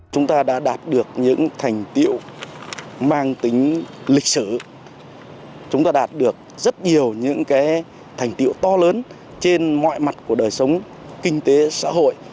chúng ta đã đạt được những thành tiệu mang tính lịch sử chúng ta đạt được rất nhiều những thành tiệu to lớn trên mọi mặt của đời sống kinh tế xã hội